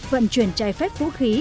vận chuyển chạy phép vũ khí